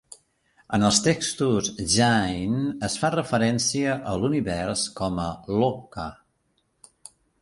En els textos Jain, es fa referència a l'univers com a Loka.